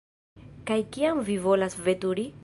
Kaj kiam vi volas veturi?